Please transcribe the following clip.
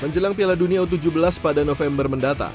menjelang piala dunia u tujuh belas pada november mendatang